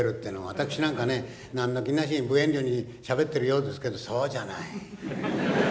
私なんかね何の気なしに無遠慮にしゃべってるようですけどそうじゃない。